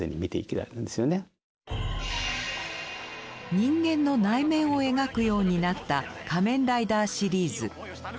人間の内面を描くようになった「仮面ライダー」シリーズ。